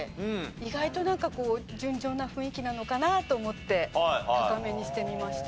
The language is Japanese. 意外となんかこう純情な雰囲気なのかなと思って高めにしてみました。